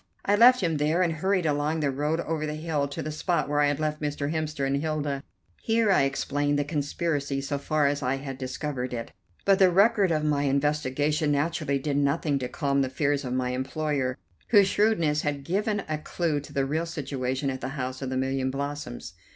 I left him there, and hurried along the road over the hill to the spot where I had left Mr. Hemster and Hilda. Here I explained the conspiracy so far as I had discovered it, but the record of my investigation naturally did nothing to calm the fears of my employer, whose shrewdness had given a clue to the real situation at the House of the Million Blossoms.